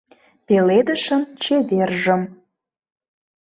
Пеледышын чевержым